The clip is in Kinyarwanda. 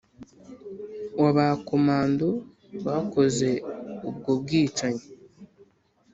w'aba komando bakoze ubwo bwicanyi